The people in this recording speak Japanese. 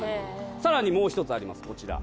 更にもう１つありますこちら。